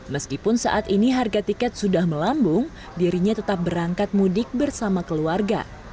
meskipun saat ini harga tiket sudah melambung dirinya tetap berangkat mudik bersama keluarga